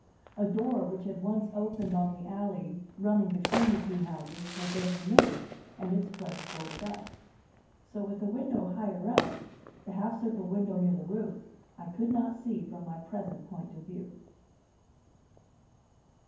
A door which had once opened on the alley running between the two houses had been removed and its place boarded up. So with a window higher up; the half circle window near the roof, I could not see from my present point of view.